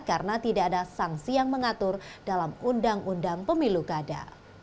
karena tidak ada sanksi yang mengatur dalam undang undang pemilu kada